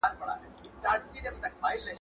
موږ ګلایکوجن د کاربوهایډریټ له لارې ترلاسه کوو.